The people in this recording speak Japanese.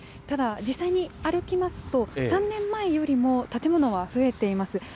ただ、実際に歩きますと、３年前よりも建物は増えています。